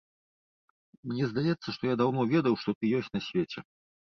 Мне здаецца, што я даўно ведаў, што ты ёсць на свеце.